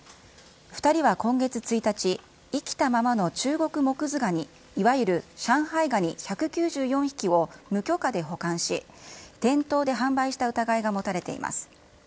２人は今月１日、生きたままのチュウゴクモクズガニ、いわゆる上海ガニ１９４匹を無許可で保管し、店頭で販売した疑いが持たれています。